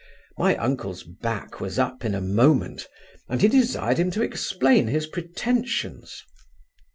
My uncle's back was up in a moment; and he desired him to explain his pretensions.